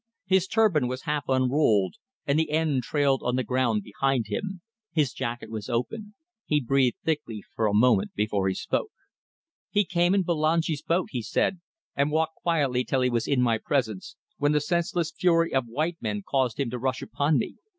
His turban was half unrolled, and the end trailed on the ground behind him. His jacket was open. He breathed thickly for a moment before he spoke. "He came in Bulangi's boat," he said, "and walked quietly till he was in my presence, when the senseless fury of white men caused him to rush upon me.